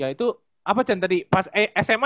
ya itu apa cen tadi sma ya mas ya